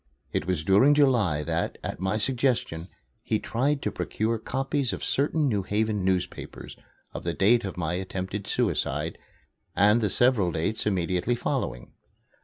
It was during July that, at my suggestion, he tried to procure copies of certain New Haven newspapers, of the date of my attempted suicide and the several dates immediately following.